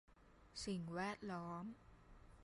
สิ่งแวดล้อม